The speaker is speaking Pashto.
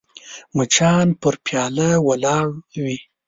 مچان پر پیاله ولاړ وي